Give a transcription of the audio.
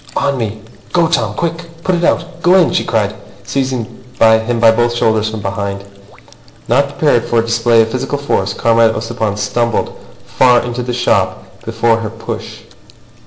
"On me! Go, Tom. Quick! Put it out. ... Go in!" she cried, seizing him by both shoulders from behind. Not prepared for a display of physical force, Comrade Ossipon stumbled far into the shop before her push.